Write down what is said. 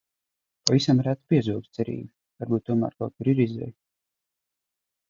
Pavisam reti piezogas cerība: varbūt tomēr kaut kur ir izeja?